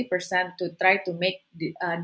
untuk mencoba untuk membuat